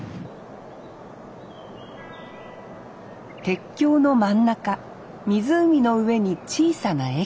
鉄橋の真ん中湖の上に小さな駅。